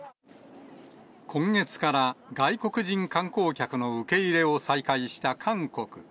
今月から外国人観光客の受け入れを再開した韓国。